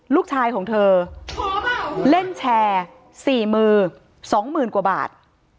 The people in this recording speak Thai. ลูกชายของเธอเล่นแชร์๔มือ๒๐๐๐กว่าบาท